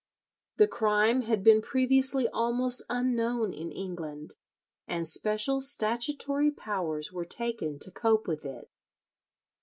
The crime had been previously almost unknown in England, and special statutory powers were taken to cope with it.